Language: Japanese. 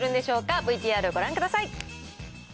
ＶＴＲご覧ください。